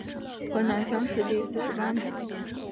河南乡试第四十八名。